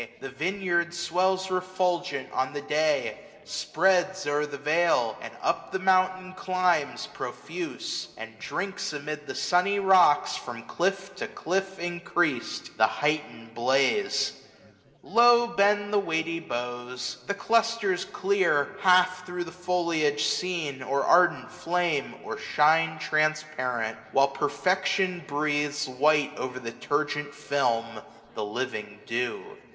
The vineyard swells refulgent on the day j Spreads o'er the vale j or up the mountain climbs, 685 Profuse ; and drinks amid the sunny rocks. From cliff to cliff increas'd, the heightened blaze. Low bend the weighty boughs. The clusters clear. Half thro* the foliage seen, or ardent flame. Or shine transparent ; while perfection breathes 690 White o'er the turgent film the living dew.